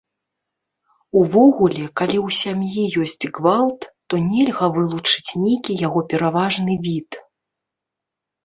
Увогуле, калі ў сям'і ёсць гвалт, то нельга вылучыць нейкі яго пераважны від.